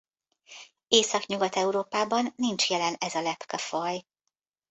Északnyugat-Európában nincs jelen ez a lepkefaj.